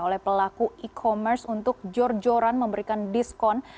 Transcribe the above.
oleh pelaku e commerce untuk jor joran memberikan diskon